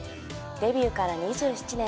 デビューから２７年。